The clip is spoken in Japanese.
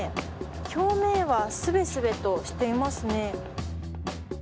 表面は、すべすべとしていますね。